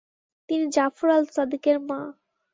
তিনি জাফর আল সাদিকের মা।